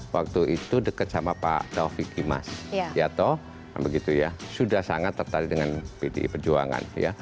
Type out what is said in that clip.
waktu itu dekat sama pak taufik imas yato sudah sangat tertarik dengan pdi perjuangan